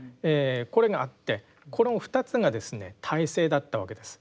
これがあってこの２つがですね体制だったわけです。